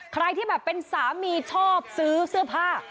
ใครที่แบบเป็นสามีชอบซื้อเสื้อผ้า